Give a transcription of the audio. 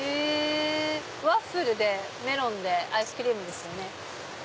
ワッフルでメロンでアイスクリームですよね。